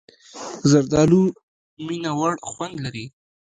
زردالو مینهوړ خوند لري.